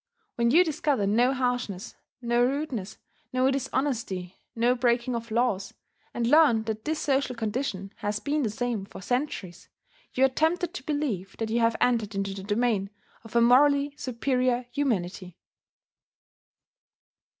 When you discover no harshness, no rudeness, no dishonesty, no breaking of laws, and learn that this social condition has been the same for centuries, you are tempted to believe that you have entered into the domain of a morally superior humanity.